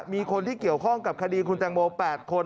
มีคนที่เกี่ยวข้องกับคดีคุณแตงโม๘คน